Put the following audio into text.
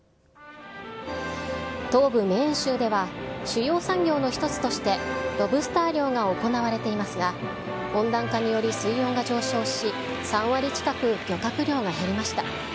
東部メーン州では、主要産業の一つとして、ロブスター漁が行われていますが、温暖化により水温が上昇し、３割近く漁獲量が減りました。